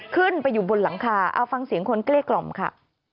ขึ้นไปอยู่บนหลังคาเอาฟังเสียงคนเกลี้กล่อมค่ะ